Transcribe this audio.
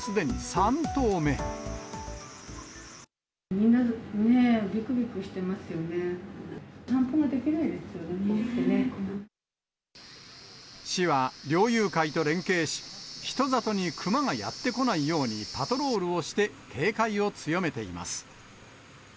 散歩ができないですよね、怖くて市は、猟友会と連携し、人里にクマがやって来ないよう、パトロールをして警戒を強めています。